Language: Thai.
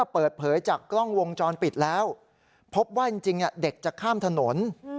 พบว่าจริงเด็กจะข้ามถนน